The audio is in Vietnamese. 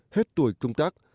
hết tuổi công tác